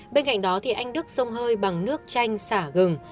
bên cạnh đó anh đức sông hơi bằng nước chanh xả gừng